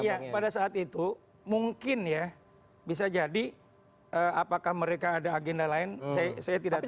iya pada saat itu mungkin ya bisa jadi apakah mereka ada agenda lain saya tidak tahu